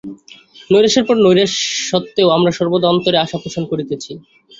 নৈরাশ্যের পর নৈরাশ্য সত্ত্বেও আমরা সর্বদা অন্তরে আশা পোষণ করিতেছি।